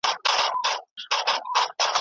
کره ژبه په خپل ځای ښه ده.